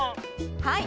はい。